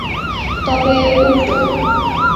তবে, উল্টো।